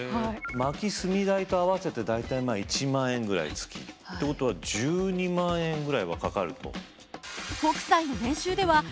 薪・炭代と合わせて大体１万円ぐらい月。ってことは１２万円ぐらいはかかると。